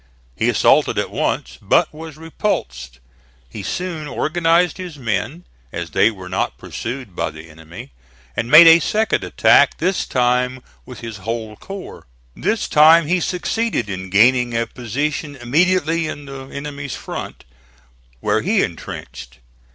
He assaulted at once, but was repulsed. He soon organized his men, as they were not pursued by the enemy, and made a second attack, this time with his whole corps. This time he succeeded in gaining a position immediately in the enemy's front, where he intrenched.